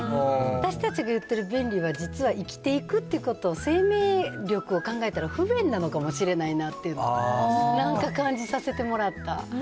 私たちが言ってる便利は、実は生きていくってことを生命力を考えたら、不便なのかもしれないなっていうの、なんか感じさせてもらった。